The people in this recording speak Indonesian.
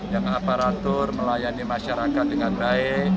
yang apa ratur melayani masyarakat dengan baik